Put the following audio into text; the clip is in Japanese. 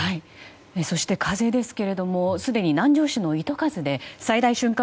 そして風ですけどもすでに南城市の糸数で最大瞬間